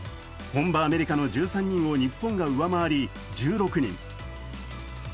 本場アメリカの１３人を日本が上回り１６人。